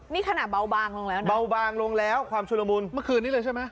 นี่ขนาดเบาบางลงแล้วนะเบาบางลงแล้วความชุลมูลเมื่อคืนนี้เลยใช่ไหม